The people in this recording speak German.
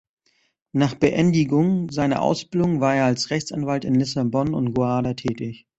Nach Beendigung seiner Ausbildung war er als Rechtsanwalt in Lissabon und Guarda tätig.